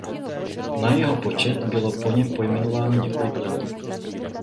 Na jeho počest bylo po něm pojmenováno několik lodí.